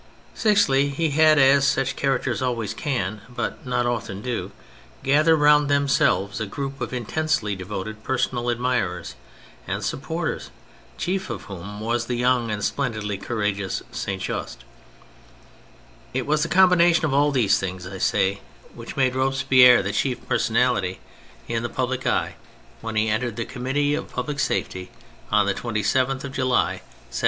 Sixthly, he had, as such characters always can, but not often do, gather round them selves, a group of intensely devoted personal admirers and supporters, chief of whom was the young and splendidly courageous Saint Just. It was the combination of all these things, I say, which made Robespierre the chief 134 THE FRENCH REVOLUTION personality in the public eye when he entered the Committee of Public Safety on the 27th of July, 1798.